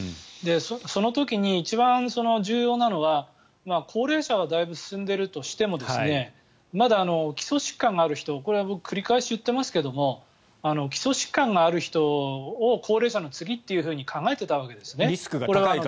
その時に一番重要なのは高齢者はだいぶ進んでいるとしてもまだ、基礎疾患がある人僕は繰り返し言っていますけど基礎疾患がある人を高齢者の次というふうに考えていたわけですね。